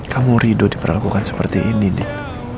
kamu rido diperlakukan seperti ini nih